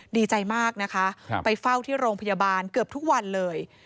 ดีใจมากนะคะไปเฝ้าที่โรงพยาบาลเกือบทุกวันเลย